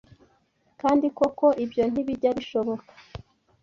Kandi koko ibyo ntibijya bishoboka